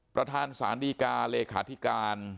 ประธานศาลดีกาเลขาธิการ